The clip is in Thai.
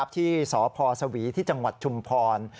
ที่สพสวีที่จังหวัดชุมพร